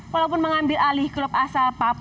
walaupun mengambil alih klub asal